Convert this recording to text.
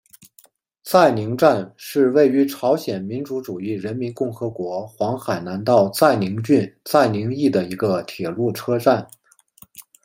载宁站是位于朝鲜民主主义人民共和国黄海南道载宁郡载宁邑的一个铁路车站。